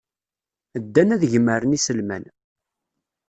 Ddan ad gemren iselman.